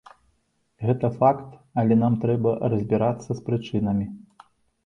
Гэта факт, але нам трэба разбірацца з прычынамі.